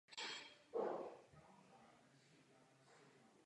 Později rovněž vyučoval na Royal Academy of Music.